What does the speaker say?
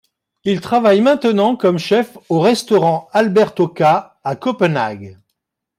Il travaille maintenant comme chef au restaurant Alberto K à Copenhague.